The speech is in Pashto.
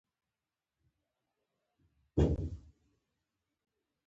دوی مو پیدا کوي او بیا مو ژوند په خطر کې دی